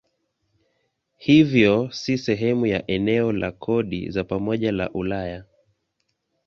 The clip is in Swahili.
Hivyo si sehemu ya eneo la kodi za pamoja la Ulaya.